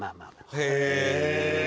へえ。